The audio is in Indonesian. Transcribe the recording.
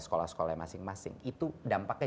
sekolah sekolah masing masing itu dampaknya